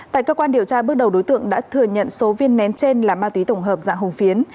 tại cơ quan điều tra bước đầu đối tượng đã thừa nhận số viên nén trên là ma túy tổng hợp dạng hồng phiến